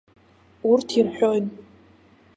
Урҭ ирҳәон.